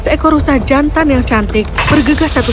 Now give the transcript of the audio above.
ketika bisa jangan termasuk pengemos peluk